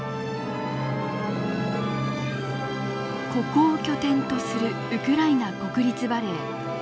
ここを拠点とするウクライナ国立バレエ。